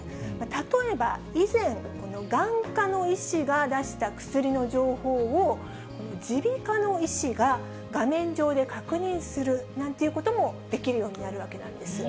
例えば以前、眼科の医師が出した薬の情報を、耳鼻科の医師が画面上で確認するなんていうこともできるようにな